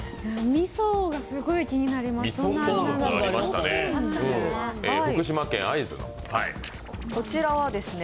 みそがすごい気になりましたね。